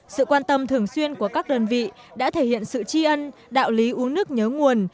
sự quan tâm thường xuyên của các đơn vị đã thể hiện sự tri ân đạo lý uống nước nhớ nguồn